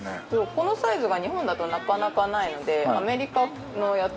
このサイズは日本だとなかなかないのでアメリカのやつ。